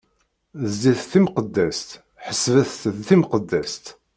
D zzit timqeddest, ḥesbet-tt d timqeddest.